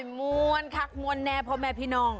โอ้โฮโอ้โหมวลครับมวลแน่พ่อแมล์พี่น้อง